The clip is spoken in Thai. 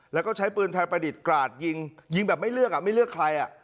แล้วก็ใช้ปืนไทยประดิษฐ์กราดยิงยิงแบบไม่เลือกไม่เลือกใคร